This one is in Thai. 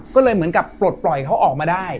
ก็เลยเหมือนกับปลดปล่อยเขาออกมาได้